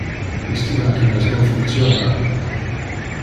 Iste machinas non functiona ora.